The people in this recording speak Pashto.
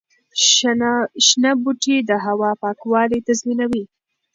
شنه بوټي د هوا پاکوالي تضمینوي.